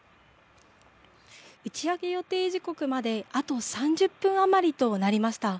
打ち上げ予定時刻まであと３０分余りとなりました。